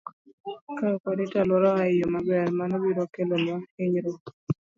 Ka ok warito alworawa e yo maber, mano biro kelonwa hinyruok.